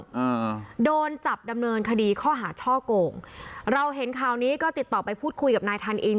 อ่าโดนจับดำเนินคดีข้อหาช่อโกงเราเห็นข่าวนี้ก็ติดต่อไปพูดคุยกับนายทันอิน